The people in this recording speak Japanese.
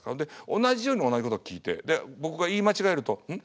同じように同じことを聞いて僕が言い間違えると「ん？